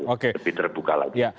lebih terbuka lagi